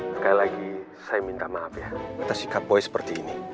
sekali lagi saya minta maaf ya atas sikap boy seperti ini